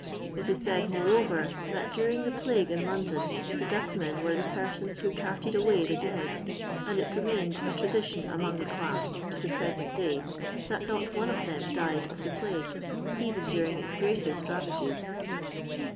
It is said, moreover, that during the plague in London the dustmen were the persons who carted away the dead, and it remains a tradition among the class to the present day, that not one of them died of the plague, even during its greatest ravages.